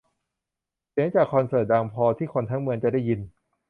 เสียงจากคอนเสิร์ตดังพอที่คนทั้งเมืองจะได้ยิน